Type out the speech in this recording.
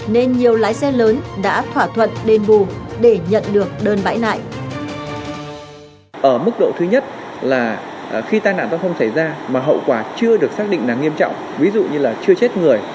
nên nhiều lái xe lớn đã thỏa thuận đền bù để nhận được đơn bãi nại